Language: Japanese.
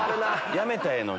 やめたらええのに。